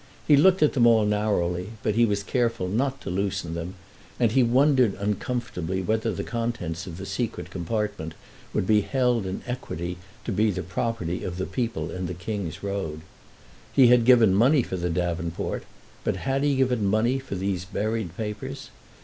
He looked at them all narrowly, but he was careful not to loosen them, and he wondered uncomfortably whether the contents of the secret compartment would be held in equity to be the property of the people in the King's Road. He had given money for the davenport, but had he given money for these buried papers?